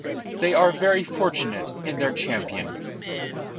"They are very fortunate in their champion."